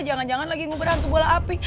jangan jangan lagi ngubur berhantu bola api